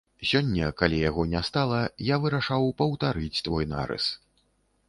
Сёння, калі яго не стала, я вырашаў паўтарыць той нарыс.